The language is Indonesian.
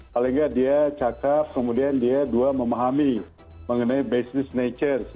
kalau enggak dia cakap kemudian dia dua memahami mengenai basis nature